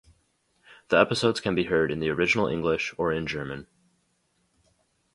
The episodes can be heard in the original English, or in German.